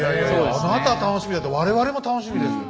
あなた楽しみだけど我々も楽しみです。